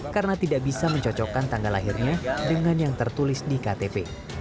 karena tidak bisa mencocokkan tanggal lahirnya dengan yang tertulis di ktp